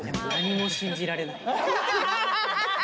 何も信じられない。